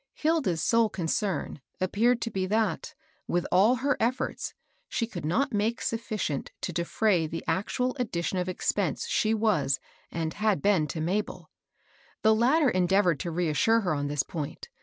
Hilda's sole concern appeared to be that, with all her efforts, she could not make sufficient to defray the actual addition of expense she was and had been to MabeL The latter endeavored to re assure her on this point.